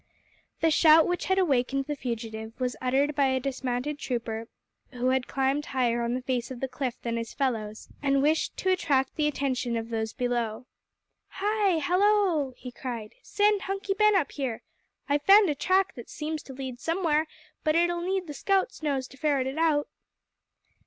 The shout which had awakened the fugitive was uttered by a dismounted trooper who had climbed higher on the face of the cliff than his fellows, and wished to attract the attention of those below. "Hi! hallo!" he cried, "send Hunky Ben up here. I've found a track that seems to lead to somewhere, but it'll need the scout's nose to ferret it out."